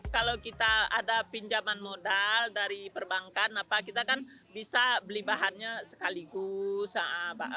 kalau kita ada pinjaman modal dari perbankan kita kan bisa beli bahannya sekaligus